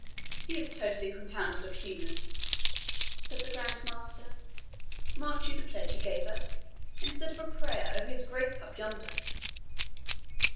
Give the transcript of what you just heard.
"He is totally compounded of humours," said the Grand Master. "Marked you the pledge he gave us! instead of a prayer, over his grace cup yonder."